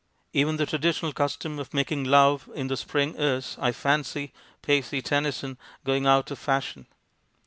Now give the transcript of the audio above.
Even the traditional custom of making love in the spring is, I fancy pace Tennyson going out of fashion.